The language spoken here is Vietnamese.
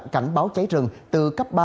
cảnh báo cháy rừng từ cấp ba